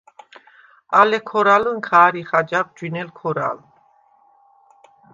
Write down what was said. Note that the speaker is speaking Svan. ალე ქორალჷნქა არიხ აჯაღ ჯვინელ ქორალ.